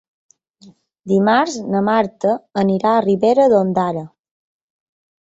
Dimarts na Marta anirà a Ribera d'Ondara.